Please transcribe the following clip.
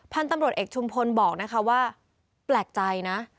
พันตำรวจเอกชุมภนบอกว่าแปลกใจนะ